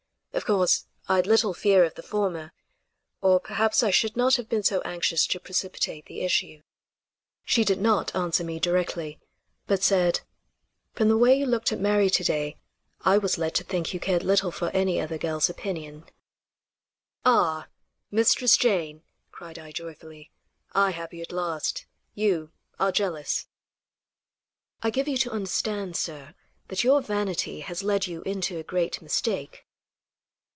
Of course, I had little fear of the former, or perhaps I should not have been so anxious to precipitate the issue. She did not answer me directly, but said: "From the way you looked at Mary to day, I was led to think you cared little for any other girl's opinion." "Ah! Mistress Jane!" cried I joyfully; "I have you at last; you are jealous." "I give you to understand, sir, that your vanity has led you into a great mistake."